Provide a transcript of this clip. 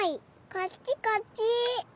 こっちこっち。